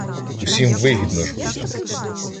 Усім вигідно ж буде